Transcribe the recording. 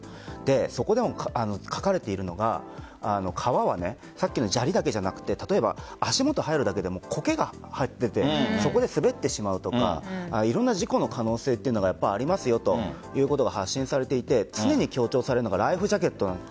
そこでも書かれているのが川は砂利だけじゃなくて例えば足元が入るだけでもコケが生えていてそこで滑ってしまうとかいろんな事故の可能性がありますよということが発信されていて常に強調されるのがライフジャケット。